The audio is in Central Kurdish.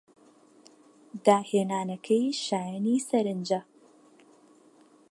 داهێنانەکەی شایانی سەرنجە.